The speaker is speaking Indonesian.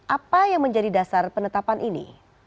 apa yang menjadi dasar penetapan ini